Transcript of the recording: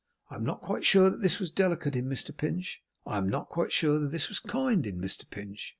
I am not quite sure that this was delicate in Mr Pinch. I am not quite sure that this was kind in Mr Pinch.